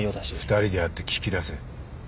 ２人で会って聞き出せ。